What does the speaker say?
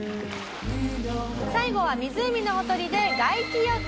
最後は湖のほとりで外気浴。